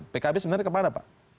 pkb sebenarnya kemana pak